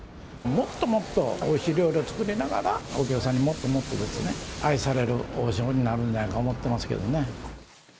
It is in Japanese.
もっともっと、おいしい料理を作りながら、お客さんにもっともっとですね、愛される王将になるんじゃないかと思ってますけどね。